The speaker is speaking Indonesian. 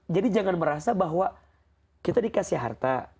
jadi jangan merasa bahwa kita dikasih harta